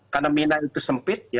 karena mina itu sempit